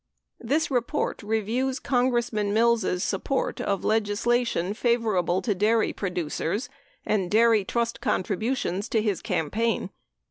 This report reviews Congressman Mills' support of legislation favor able to dairy producers, and dairy trust contributions to his campaign.